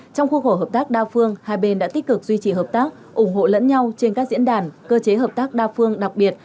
trong khuôn khổ hợp tác đa phương hai bên đã tích cực duy trì hợp tác ủng hộ lẫn nhau trên các diễn đàn cơ chế hợp tác đa phương đặc biệt